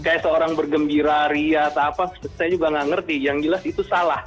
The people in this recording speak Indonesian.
kayak seorang bergembira ria atau apa saya juga nggak ngerti yang jelas itu salah